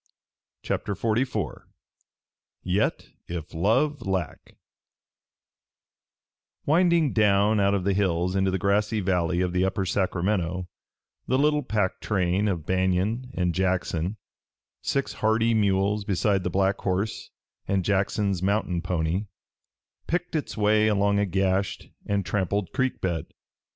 CHAPTER XLIV YET IF LOVE LACK Winding down out of the hills into the grassy valley of the Upper Sacramento, the little pack train of Banion and Jackson, six hardy mules beside the black horse and Jackson's mountain pony, picked its way along a gashed and trampled creek bed.